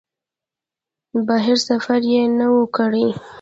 بهر سفر یې نه و کړی.